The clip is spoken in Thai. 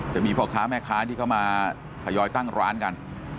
จะมีพ่อค้าแม่ค้าที่เข้ามาทยอยตั้งร้านกัน